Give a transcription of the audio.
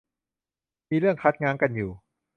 มีเรื่องคัดง้างกันอยู่